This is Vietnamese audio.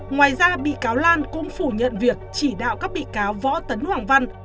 ngoài ra bị cáo lan cũng phủ nhận việc chỉ đạo các bị cáo võ tấn hoàng văn